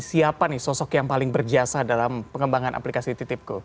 siapa nih sosok yang paling berjasa dalam pengembangan aplikasi titipku